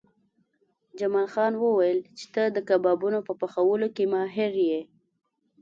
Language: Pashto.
جمال خان وویل چې ته د کبابونو په پخولو کې ماهر یې